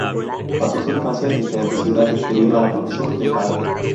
Pasó su infancia en diferentes ciudades debido a la profesión del padre.